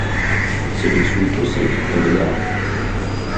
Sellek s uyeffus-ik, qbel-aɣ-d!